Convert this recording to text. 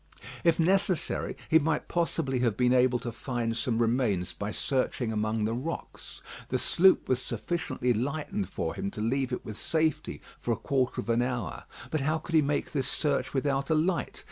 If necessary, he might possibly have been able to find some remains by searching among the rocks. The sloop was sufficiently lightened for him to leave it with safety for a quarter of an hour; but how could he make this search without a light?